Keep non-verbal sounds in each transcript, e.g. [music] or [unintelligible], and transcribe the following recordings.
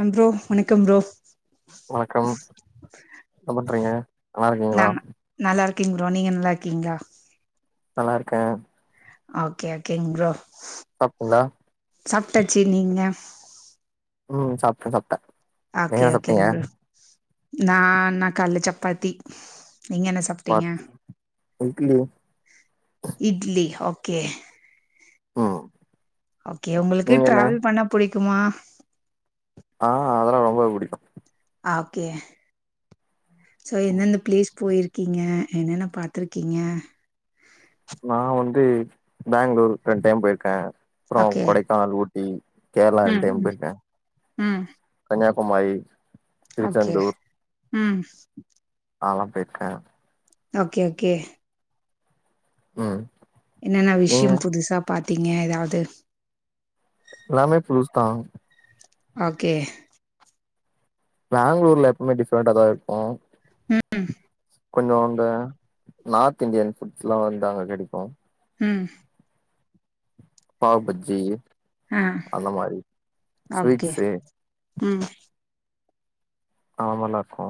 அம் bro வணக்கம் bro வணக்கம் என்ன பண்றீங்க நல்லாருக்கீங்களா இருக்கீங் ப்ரோ நீங்க நல்லாருக்கீங்கா நல்லாருக்கே ஓகே ஓகேங் ப்ரோ சாப்ட்டீங்களா சாப்ட்டாச்சு நீங்க ம் சாப்ட்டே சாப்ட்டே நீங்க ஆகே என்ன ஓகேங்க சாப்ட்டீங்க ப்ரோ நான்ணா கால்ல சப்பாத்தி நீங்க என்ன சாப்ட்டீங்க சப்பாத்தி இட்லி இட்லி ஓ ஓகே ம் ஓகே உங்களுக்கு நீங்க என்ன டிராவல் பண்ண புடிக்குமா ஆ அதெல்லா ரொம்ப புடிக்கு ஆக்கே சோ என்னென்ன பிளேஸ் போயிருக் இகீங்க என்னன்ன பாத்துருக்கீங்க நா வந்து பேங்களூரு ரெண் டைம் போயிருக்கே அப்பறோ ஓகே கொடைக்கானல் ஊட் டி கேரளா ம் ரெண்டைம் ம் போயிருக்கே ம் எங்க உமாயி ஓகே திரிச்சந்தூர் ம் அதலாம் போயிருக்கே ஓகே ஓகே ம் என்னன் நீங்க விஷயம் புதுசா பாத்தீங்க ஏதாவது எல்லாமே புதுசுதா ஓகே பெங்களூர்ல எப்பவுமே டிஃப்ரெண்டா தா இருக்கு ம் கொஞ்ச அங்க நார்த் இண்டியன் ஃபுட்ஸ்ல்லா வந்து அங்க கெடைக்கு ம் பாவ் பஜி ஆ அந்த மாரி ஓகே ஸ்வீட்சே ம் ஆமல்லா இருக்கு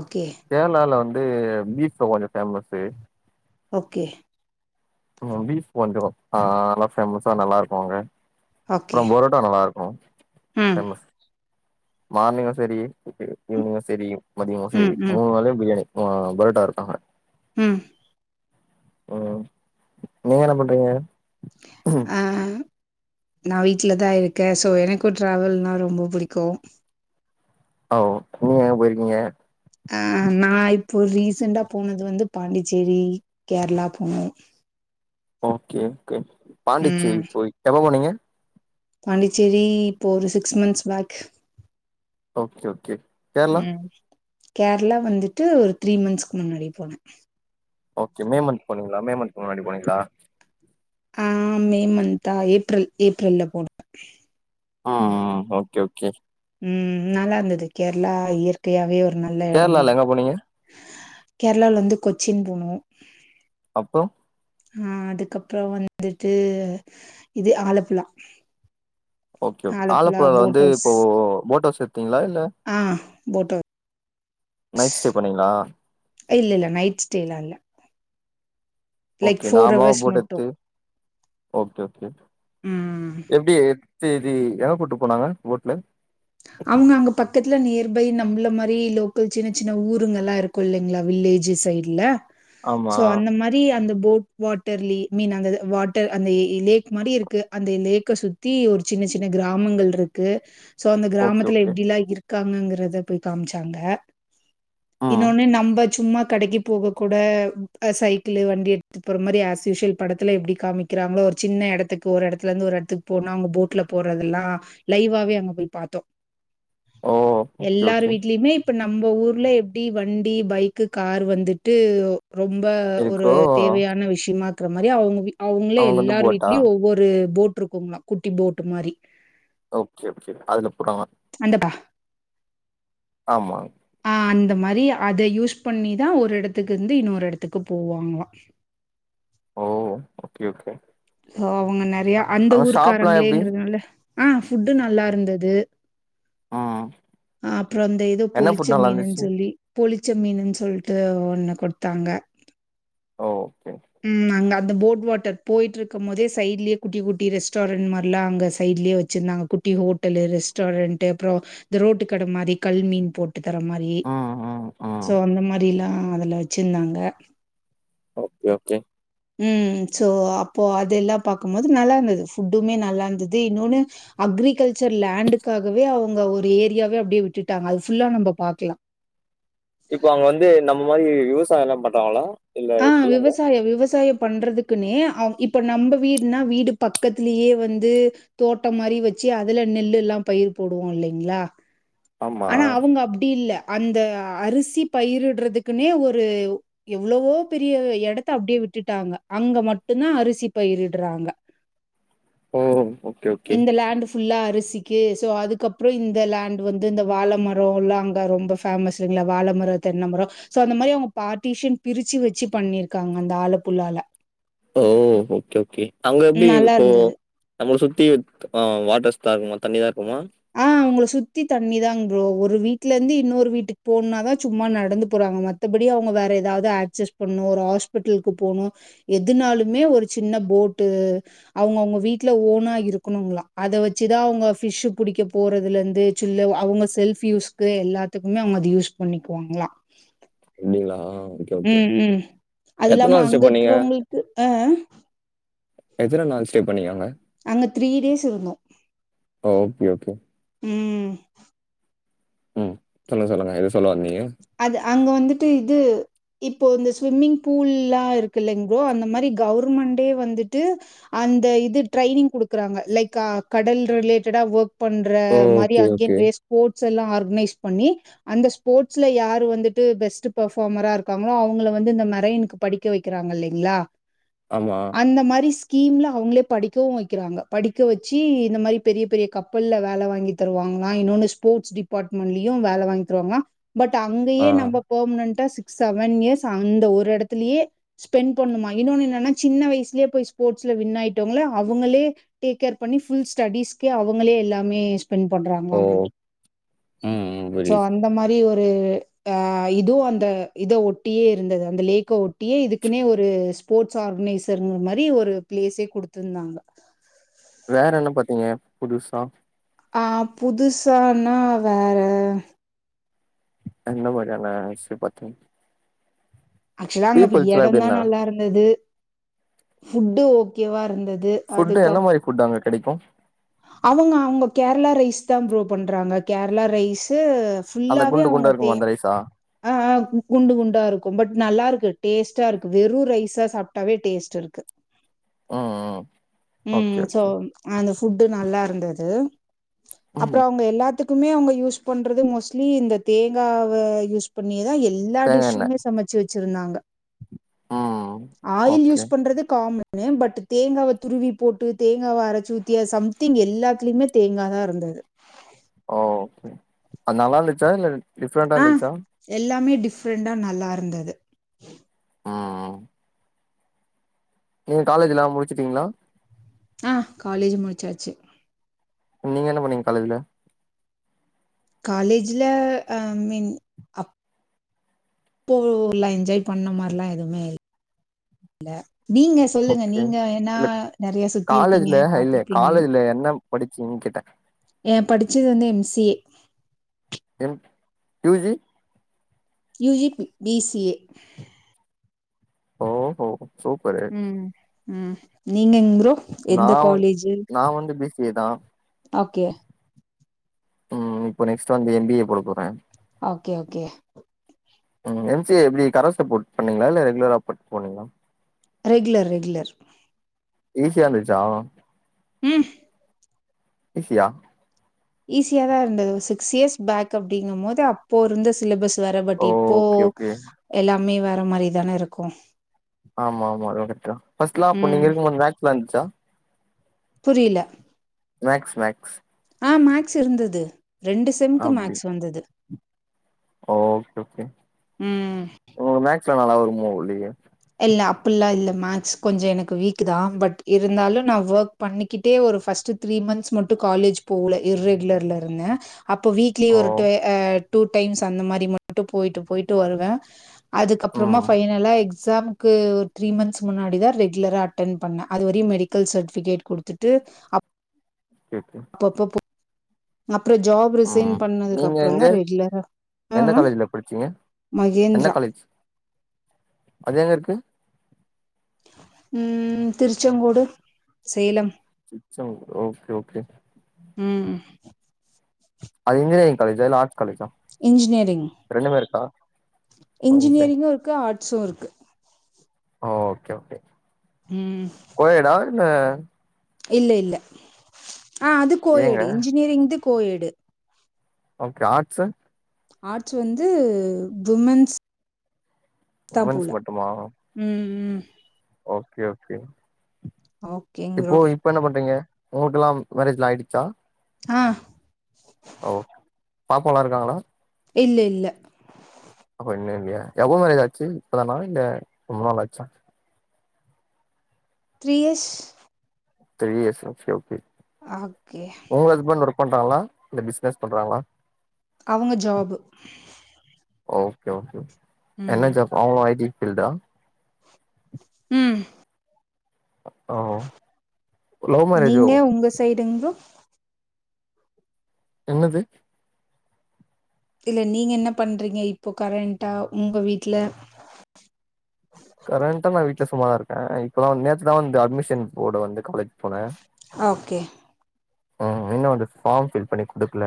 ஓகே கேரளால வந் து பீப்ல கொஞ்ச பேமஷு ஓகே ம் பீஃப் கொஞ்ச ஆ நல்லா ஃபேமஸா நல்லாருக்கு அங்க ஓகே. அப்றம் பொரொட்டா நல்லாருக்கு ம், ஃபேமஸ் மார்னிங்கு செரி இ ஈவினிங்கு செரி மதியமு செரி ம், ம், மூனு வேலயு பிரியாணி ஆ பொரோட்டா இருக்கங்க ம் ம் நீங்கென்ன பண்றீங்க அ அ நா வீட்லதா இருக்க சோ எனக்கு ட்ராவல்னா ரொம்போ புடிக்கு ஓ நீங்க எங்க போயிருக்கீங்க அ நா இப்போ ரீசெண்டா போனது வந்து பாண்டிச்சேரி கேரளா போனோ ஓகே கே ம். பாண்டிச்சேரி போய் எப்ப போனீங்க பாண்டிச்சேரி இப்போ ஒரு six months back okay okay Kerala ம். கேரளா வந்துட்டு ஒரு த்ரீ மந்த்ஸ்க்கு முன்னாடி போன ஓகே மேமந்த் போனீங்ளா மேமந்த்க் முன்னாடி போனீங்ளா ஆ மே மந்த்தா ஏப்ரல் ஏப்ரல்ல போனோ அ அ ஓக்கே ஓகே ம் நல்லா இர்ந்தது கேரளா இயற்கையாவே ஒரு நல்ல எடந்தா கேரளால எங்க போனீங்க கேர்ளாலந்து கொச்சின் போனோ அப்றோ ஆ அதுக்கப்ற வந்துட்டு இது ஆலப்புழா ஓகே ஓகே ஆலப்புழா ஆலப்புழால போட் வந்து ஹவுஸ் இப்போ போட்டவுஸ் எத்தீங்களா இல்ல ஆ போட் ஹவுஸ் நைட் ஸ்டே பண்ணீங்ளா இல்லில்ல நைட் ஸ்டேலா இல்ல லைக் ஓகே ஃபோர் நாமல ஹவர்ஸ் மட்டு போட்டெத்து ஓகே ஓகே ம் எப்டி ஏத்தி எங்க கூட்டு போனாங்க போட்ல ப்பை நம்பள மாரி லோக்கல் சின்ன சின்ன ஊருங்களா இருக்கு இல்லங்ளா வில்லேஜ்ஜு சைட்ல ஆமா சோ அந்த மாரி அந்த போட் வாட்டர்லி மீன் அங்கது வாட்டர் அந்த இ லேக் மாரி இருக்கு அந்த லேக்க சுத்தி ஒரு சின்ன சின் னு கிராமங்கள்ருக்கு சோ அந்த ஓகே கிராமத்துல ஓகே எப்டிலா இருக்காங்கங்கறத போய் காம்ச்சாங்க ம் இன்னொனு நம்ப சும்மாத் கடைக்கு போக கூட அ சைக்கிளு வண்டி எடுத்துட் போற மாரி ஆஸ்யூஷ்வல் படத்துல எப்டி காமிக்கிறாங்ளோ ஒரு சின்ன எடத்துக்கு ஒரு எடத்துலர்ந்து ஒரு எட்த்துக்கு போனா அவுங்க போட்ல போறதெல்லா லைவாவே அங்க போய் பாத்தோ ஓ ஓகே எல்லாரு ஓகே வீட்லிமே இப்ப நம் நம்ப ஊர்ல எப்டி வண்டி பைக்கு கார் வந்துட்டு ரொம்ப ஒரு இருக்கோ தேவையான விஷ்யமாக்குற மாரி அவுங்க வீ அவுங்ளே அவங்க வந்து எல்லார் போட்டா வீட்லியு ஒவ்வொரு போட்ருக்குங்ளா குட்டி போட்டு மாரி ஓகே ஓகே அதுல போறாங்க அந்தப்பா ஆமா ஆ அந்த மாரி அத யூஸ் பண்ணிதா ஒரு எடத்துக்கு இந்து இன்னொரு எடத்துக்கு போவாங்ளா ஓ ஓகே சோ அவங்க நெறையா அந்த அங்க ஷாப்லா எப்டி ஊருக்காரங்ளேங்கிறதுனால ஆ ஃபுட்டு நல்லாருந்தது ம் ஆ அப்ற அந்த எதோ என்ன பொளிச்ச ஃபுட் நல்லா மீனுன் இருந்துச்சு சொல்லி பொளி ச்ச மீனுன் சொல்ட்டு ஒன்னு குட்த்தாங்க ஓ ஓகே ம் அங்க அந்த போட் வாட்டர் போயிட்ருக்கும் போதே சைட்ல்யே குட்டி குட்டி ரெஸ்டாரண் மார்லா அங்க சைட்லே வெச்சிருந்தாங்க குட் டி ஹோட்டலு ரெஸ்டாரண்ட்டு அப்றோ இந்த ரோட்டு கட மாரி கல்மீன் போ ட்டுத்தர மாரி ம் ம் ம் சோ அந்த மாரில்லா அதுல வெச்சிந்தாங்க ஓகே ஓகே ம் சோ அப்போ அதெல்லா பாக்குபோது நல்லாந்தது ஃபுட்டுமே நல்லாந்தது இன்னொன்னு அக் ரிகல்ச்சர் லேண்டுக்காகவே அவுங்க ஒரு ஏரியாவே அப்டியே விட்டுட்டாங்க அது ஃபுல்லா நம்ப பாக்லா இப்ப அங்க வந்து நம்ம மாரி விவசாயலா பண்றாங்ளா அ விவசாய விவசாய பண்றதுக்குனே அ இப்ப நம்ப வீட்னா வீடு பக்கத்துலயே வந்து தோட்ட மாரி வெச்சி அதுல நெல்லுலா பயிர் போடுவோ இல்லைங்ளா ஆமா ஆனா அவுங்க அப்டி இல்ல அந்த அரிசி பயிரிடுறதுகுனே ஒரு எவ்ளவோ பெரிய எடத்த அப்டியே விட்டுட்டாங்க அங்க மட்டு தா அரிசி பயிரிடுறாங்க ஓ ஓகே ஓகே இந்த லேண்டு ஃபுல்லா அரிஸ் திக்கி சோ அதுக்கப்றோ இந்த லேண்ட் வந்து இந்த வாலமரோ லா அங்க ரொம்ப ஃபேமஸ்ங்ள வாலமரோ அது தென்னமரோ சோ அந்த மாரி அவுங்க பார்ட்டிஷியன் பிரிச்சி வெச்சி பண்ணிருக்காங்க அந்த ஆலப்புலால ஓ ஓகே ஓகே அங்க எப்டி நல்லா இப்போ இருந்தது. நம்மள சுத் தி வாட்டர்ஸ்தாருக்குமா தண்ணி தாருக் அ உங்கள சுத்தி தண்ணிதாங் ப்ரோ ஒரு வீட்டுலந்து இன்னொரு வீட்டுக் போனுன்னா தா சும்மா நடந்து போறாங்க மத்தபடி அவுங்க வேற ஏதாவது ஆக்ஸஸ் பண்ணுவோ ஒரு ஹாஸ்பிட்டுல்க்கு போனு எதுனாலுமே ஒரு சின்ன போட்டு அவுங்க அவுங்க வீட் வீட்ல ஓனா இருக்கணுங்ளா அத வெச்சிதா அவுங்க ஃபிஷ்ஷு குளிக்க போறதுலந்து சில்ல அவுங்க செல்ஃப்பு யூஸ்க்கு எல்லாத்துக்குமே அவுங்க அது யூஸ் பண்ணிக்குவாங்ளா அப்டிங்ளா ம் ம் அது இல்லாம ஸ்டே பண்ணீங்க அங்கக்குறவங்களுக்கு அ அ எத்தன நாள் ஸ்டே பண்ணிங்க அங்க அங்க த்ரீ டேஸ்ருந்தோ ஓகே ஓகே ம் ம் சொல்லுங்க சொல்லுங்க எதோ சொல்ல வந்தீங்க அது அங்க வந்துட்டு இது இப்போ இந்த ஸ்விம்மிங் பூல்லா இருக்குல்லைங் அந்த மாரி கவுர்மண்டே வந்துட்டு அந் இந்த இது ட்ரைனிங் குடுக்குறாங்க லைக்க கடல் ரிலேட்டடா ஒக் பண்ற ஓ! மாரி ஓகே அங்கே ஓகே நெறைய ஸ்போர்ட்ஸ்ல்லா ஆர்கனைஸ் பண்ணி அந்த ஸ்போர்ட் ஸ்ல யாரு வந்துட்டு பெஸ்ட் பர்ஃபாமராருக்காங்ளோ அவுங்கள வந்து இந்த மெரைனுக்கு படிக்க வெக்கிறாங்க இல்லைங்ளா ஆமா அந்த மாரி ஸ் கீம்ல்ல அவுங்களே படிக்கவு வெக்கிறாங்க படிக்க வெச்சி இந்த மாரி பெரிய பெரிய கப்பல்ல வேல வாங்கி தருவாங் ங்ளா இன்னொனு ஸ்போர்டஸ் டிபார்ட்மெண்ட்லயு வேல வாங்கி தருவாங்களா பட் ஆ அங்கயே நம்ப பெர்ம்னென்டா சிக் ஸ் செவன் இயர்ஸ் அந்த ஒரு எடத்துலயே ஸ்பெண்ட் பண்ணுமா இன்னொனு என்னனா சின்ன வயசுலேயே போய் ஸ்போர்ட்ஸ் ல வின் ஆயிட்டோங்கள அவுங்களே டேக் கேர் பண்ணி ஃபுல் ஸ்டடீஸ்க்கே அவுங்களே எல்லாமே வின் பண்றாங்ளா ஓ அந்த மாரி ம் ம் சோ புரியுது அந்த மாரி ஒர்க் ஒரு அ இதுவு அந்த இத ஒட்டியே இருந்தது அந்த லேக்க ஒட்டியே இதுக்குனே ஒரு ஸ்போர்ட்ஸ் ஆர்கனைசர்ங்ற மாரி ஒரு பிளேஸே குடுத்துர்ந்தாங்க ஏங்க புதுசா ஆ புதுசானா வேற அந்த மாரியான விஸ்யோ பாத்திங் ஆக்சுவலா அங்க எடந்தா இருந்தாங்க நல்லாருந்தது ஃபுட்டு ஓகேவாருந்தத் ஃபுட்டு என்ன மாரி ஃபுட்டு அங்க கெடைக்கு அவுங்க அவுங்க கேரளா ரைஸ் தா ப்ரோ பண்றாங்க கேரளா ரைஸ்ஸூ அந்த குண்டு குண்டாருக்குமே அந்த ரைசா அ குண்டு குண்டாருக்கு பட் நல்லாருக்கு டேஸ்ட்டாருக்கு வெறு ரைஸா சாப்ட்டாவே டேஸ்ட் இருக்கு ம் ம் ம் ஓகே சோ ஓகே அந்த ஃபுட்டு நல்லாருந்தது அப்றோ ம் அவுங்க எல்லாத்துக்குமே அவுங்க யூஸ் பண்றது மோஸ்ட்லி இந்த தேங்காவ யூஸ் பண்ணியேதா எல்லா தேங்கா எண்ண டிஷ்ஷுமே சமச்சி வெச்சிருந்தாங்க ம் ஆயில் ஓகே யூஸ் பண்றது காமன் வே பட்டு தேங்காவ துருவி போட்டு தேங்காவ அரச்சி ஊத்தி அ சம்திங் எல்லாத்லிமே தேங்காதா இருந்து அ ஓ ஓகே அது நல்லாருந்துச்சா இல்ல டிஃப்ரெண்டா ஆ இருந்துச்சா எல்லாமே டிஃப்ரண்டா நல்லா இருந்தது ஆ ஆ நீங்க காலேஜுல்லா முடிச்சிட்டீங்ளா ஆ காலேஜு முடிச்சாச்சி நீங்க என்ன பண்ணீங்க காலேஜ்ல காலேஜுல அ மின் அப் போல என்ஜாய் பண்ண மார்லா எதுவுமே இ ல நீங்க சொல்லுங்க ஓகே நீங்க ஏன்னா இல்ல நறையா சுத்தி இருப்பீங்க பாத்ருப்பீங்க படிச்சிங்னு கேட்ட ஏம் படிச்சது வந்து M C A M U G UG B B C A ஓ ஹோ சூப்பரு ம் ம் நீங்க எங் ப்ரோ நா எந்த வந் காலேஜு நா வந்து பி சி ஏ தா ஆகே ம் இப்போ நெக்ஸ்ட்டு வந்து எம் பி ஏ போடப் போற ஓகே ஓகே ம் எம் சி ஏ எப்டி கரஸ்ல போட் பண்ணீங்ளா இல்ல ரெகுலரா போட் போனீங்ளா ரெகுலர் ரெகுலர் ஈசியா இருந்துச்சா ம் ஈசியா ஈஸியா தா இருந்தது ஒ சிக்ஸ் இயர்ஸ் பேக் அப்படிங்கம் மோது அப்போ இருந்த சிலபஸ் வேற பட் இப்போ ஓகே ஓகே எல்லாமே வேற மாரிதான இருக்கு ஆமா ஆமா [unintelligible] ஃபஸ்லா அப்ப நீங்க இருக்கம்போது மேக்ஸ்லா இருந்ச்சா புரியில மேக்ஸ் மேக்ஸ் ஆ மேக்ஸ் இருந்துது ரெண்டு செம்க்கு மேக்ஸ் வந்தது ஓ ஓகே ஓகே ம் உங்ளுக் மேக்ஸ்லா நல்லா வருமோ இலியோ அப்புல்லா இல்ல மேக்ஸ் கொஞ்சொ எனக்கு வீக்கு தா பட் இருந்தாலு நா வோக் பண்ணிக்கிட்டே ஒரு ஃபஸ்ட்டு த்ரீ மந்த்ஸ் மட்டு காலேஜ் போல இர் ரெகுலர்ல இருந்த அப்போ வீக்லி ஓ ஒரு டு ஆ டூ டைம்ஸ் அந்த மாரி மட்டு போயிட்டு போயிட்டு வருவ அதுக்கப்றமா ம் ஃபைனலா எக்ஸ் சாமுக்கு ஒரு த்ரீ மந்த்ஸ் முன்னாடி தா ரெகுலரா அட்டன் பண்ண அது வரையு மெடிக்கல் சட்டிஃபிகேட் குடுத்துட்டு அப் கே கே அப்றோ ஜாப் ரிசைன் நீங்க பண்ணதுக்கப்றொந்தா எங்க ரெகுலரா ஆ எந்த ஆ. காலேஜ்ல படிச்சீங்க எந்த மகேந்திரா காலேஜ் அது எங்க இருக்கு ம் திருச்செங்கோடு சேலம் திருச்செங்கோ ஓகே ஓகே ம் அது இன்ஜினேரிங் காலேஜா இல்ல ஆட் இன்ஜினியரிங் ஓ இன்ஜினியரிங்கு இருக்கு ஆட்ஸு இருக்கு ஓ ஓகே ஓகே ம் ஆ இல்ல இல்ல ஆ அது ஏங்க கோயேடு இன்ஜினியரிங் இது கோயேடு ஓகே ஆட்ஸு ஆட்ஸு வந்து விமென்ஸ் தா உமன்ஸ் போல மட்டுமா ம் ம் ஓகே ஓகே ஓகேங் இப்போ ப்ரோ இப்போ என்ன பண்றீங்க உங்ளுக்கெல்லா மேரேஜ்லா ஆய்டுச்சா ஆ பாப்பாலா இருக்காங்களா இல்ல இல்ல எப்போ மேரேஜ் ஆச்சு இப்பதானா இல்ல ரொம்ப நாள் ஆச்சா த்ரீ இயர்ஸ் த்ரீ இயர்ஸா ஒகே ஓகே ஆக்கே பண்றாங்ளா இல்ல பிஸ்னஸ் பண்றாங்களா அவுங்க ஜாபு ஓகே ஓகே என்ன ம் ஜாப் அவுங்ளு ஐ டி ஃபீல்டா ம் அப்போ லவ் மேரேஜோ டெங் ப்ரோ என்னது இல்ல நீங்க என்ன பண்றீங்க இப்போ கரெண்ட்டா உங்க வீட்ல கரெண்டா நா வீட்ல சும்மாதா இருக்கே இப்ப தா நேத்துதா வந்து அட்மிஷன் போட வந்தே காலேஜ் போனே ஓகே ம் இன்னு வந்து ஃபாம் ஃபில் பண்ணி குடுக்ல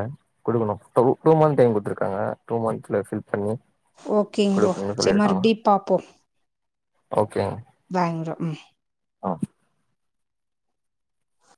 குடுக்கனு டூ டூ மந்த் டைம் குட்த்துருக்காங்க டூ மந்த்ல ஃபில் பண்ணி ஓகேங் ப்ரோ சேரி மறுப்டி பாப்போ ஓகே பாய்ங் ப்ரோ ம் ஆ